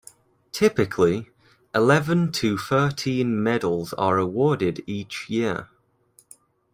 Typically, eleven to thirteen medals are awarded each year.